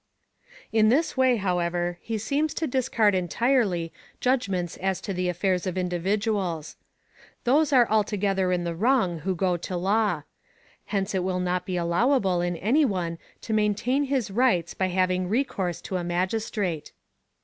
In this way, however, he seems to discard entirely judg ments as to the afiairs of individuals. " Those are altogether in the wrong who go to law. Hence it will not be allow^able in any one to maintain his rights by having recourse to a magistrate.''